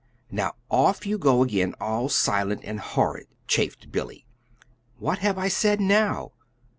Now off you go again all silent and horrid!" chaffed Billy. "What have I said now?